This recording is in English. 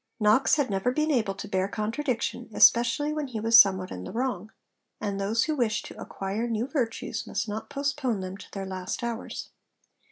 Knox had never been able to bear contradiction, especially when he was somewhat in the wrong; and those who wish to acquire new virtues must not postpone them to their last hours.